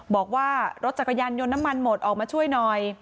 บอกว่ารถจักรยานยนต์น้ำมันหมดออกมาช่วยหน่อย